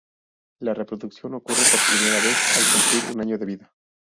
La reproducción ocurre por primera vez al cumplir un año de vida.